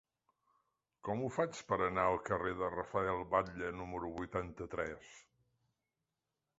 Com ho faig per anar al carrer de Rafael Batlle número vuitanta-tres?